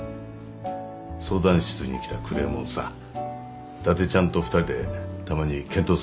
相談室に来たクレームをさ伊達ちゃんと２人でたまに検討するんだ。